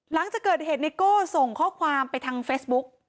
หลังจากเกิดเหตุไนโก้ส่งข้อความไปทางเฟซบุ๊ก